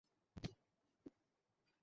সবাই পজিশন নাও!